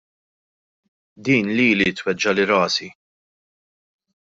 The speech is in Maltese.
Din lili tweġġagħli rasi.